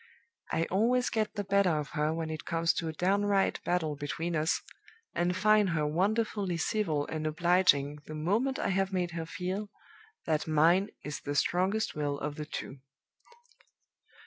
I always get the better of her when it comes to a downright battle between us, and find her wonderfully civil and obliging the moment I have made her feel that mine is the strongest will of the two.